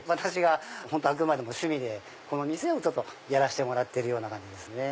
あくまでも趣味でこの店をやらしてもらってる感じですね。